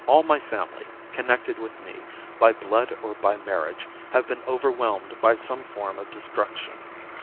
All my family, connected with me by blood or by marriage, have been overwhelmed by some form of destruction.